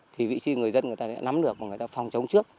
thì vị trí người dân người ta đã nắm được và người ta phòng chống trước